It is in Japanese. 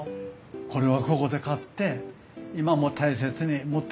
これはここで買って今も大切に持ってるんです。